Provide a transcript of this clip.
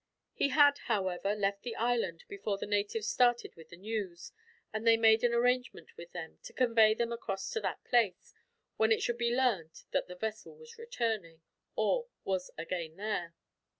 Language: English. He had, however, left the island before the natives started with the news; and they made an arrangement with them, to convey them across to that place, when it should be learned that the vessel was returning, or was again there.